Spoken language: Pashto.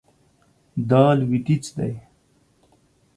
دا لویدیځ دی